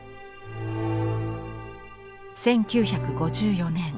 １９５４年。